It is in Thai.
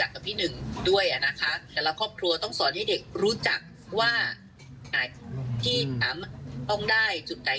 มันมีกระแสหลายอย่างที่เกิดขึ้นบางครุ่มบ้านฉันก็ทำ